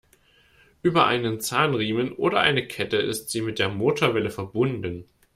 Über einen Zahnriemen oder eine Kette ist sie mit der Motorwelle verbunden.